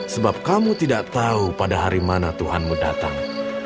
sebab kamu tidak tahu pada hari mana tuhanmu datang